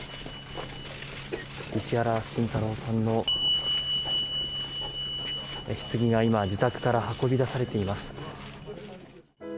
石原慎太郎さんのひつぎが今自宅から運び出されています。